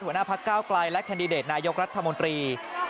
หัวหน้าพักเก้าไกลและแคนดิเดตนายกรัฐมนตรี